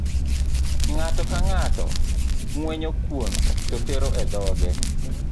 Ng'ato ka ng'ato ngwenyo kuon to tero e dhoge.